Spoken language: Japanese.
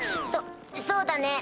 そそうだね。